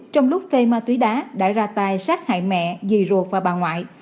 trong lúc phê ma túy đá đã ra tài sát hại mẹ dì ruột và bà ngoại